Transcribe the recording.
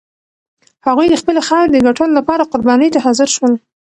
هغوی د خپلې خاورې د ګټلو لپاره قربانۍ ته حاضر شول.